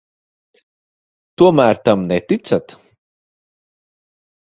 Tomēr tam neticat?